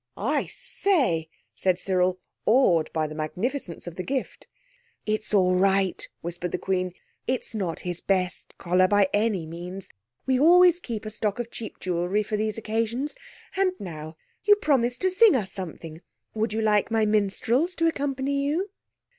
"I say!" said Cyril, awed by the magnificence of the gift. "It's all right," whispered the Queen, "it's not his best collar by any means. We always keep a stock of cheap jewellery for these occasions. And now—you promised to sing us something. Would you like my minstrels to accompany you?"